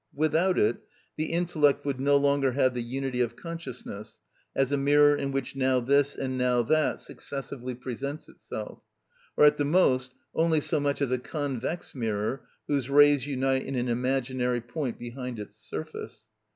Without it the intellect would no longer have the unity of consciousness, as a mirror in which now this and now that successively presents itself, or at the most only so much as a convex mirror whose rays unite in an imaginary point behind its surface.